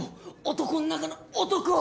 男ん中の男！